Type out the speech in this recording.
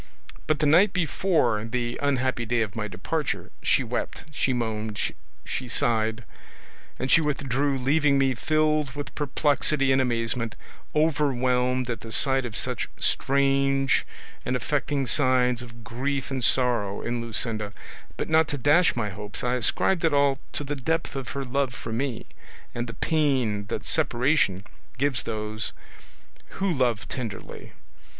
But the night before the unhappy day of my departure she wept, she moaned, she sighed, and she withdrew leaving me filled with perplexity and amazement, overwhelmed at the sight of such strange and affecting signs of grief and sorrow in Luscinda; but not to dash my hopes I ascribed it all to the depth of her love for me and the pain that separation gives those who love tenderly.